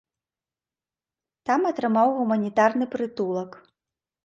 Там атрымаў гуманітарны прытулак.